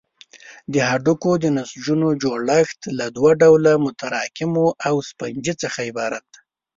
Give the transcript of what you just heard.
د هډوکو د نسجونو جوړښت له دوه ډوله متراکمو او سفنجي څخه عبارت دی.